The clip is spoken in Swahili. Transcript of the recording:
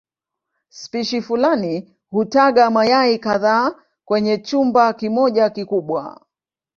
Spishi fulani hutaga mayai kadhaa kwenye chumba kimoja kikubwa.